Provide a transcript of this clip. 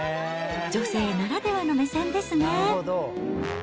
女性ならではの目線ですね。